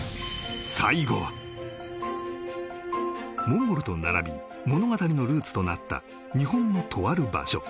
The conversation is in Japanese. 最後はモンゴルと並び物語のルーツとなった日本のとある場所